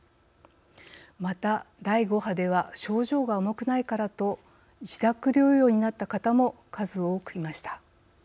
また、第５波では症状が重くないからと自宅療養になった方も数多くいました。